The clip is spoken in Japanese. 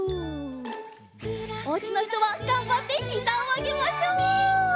おうちのひとはがんばってひざをあげましょう！